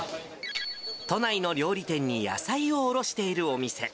都内の料理店に野菜を卸しているお店。